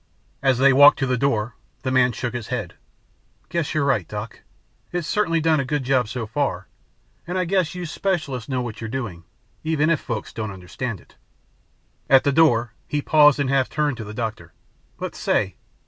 As they walked to the door, the man shook his head, "Guess you're right, Doc. It's certainly done a good job so far, and I guess you specialists know what you're doing, even if folks don't understand it." At the door he paused and half turned to the doctor, "But say